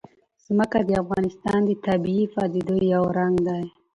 ځمکه د افغانستان د طبیعي پدیدو یو رنګ دی.